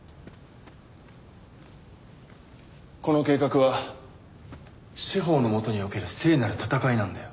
この計画は司法の下における聖なる闘いなんだよ。